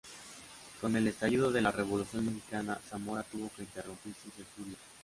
Con el estallido de la Revolución Mexicana, Zamora tuvo que interrumpir sus estudios.